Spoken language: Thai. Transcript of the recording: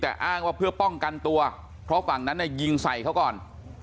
แต่อ้างว่าเพื่อป้องกันตัวเพราะฝั่งนั้นเนี่ยยิงใส่เขาก่อน